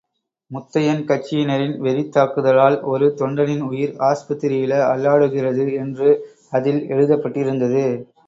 முத்தையன் கட்சியினரின் வெறித் தாக்குதலால் ஒரு தொண்டனின் உயிர், ஆஸ்பத்திரியில அல்லாடுகிறது என்று அதில் எழுதப் பட்டிருந்தது.